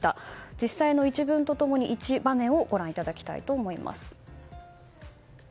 実際の一文と共に一場面をご覧いただきたいと思います。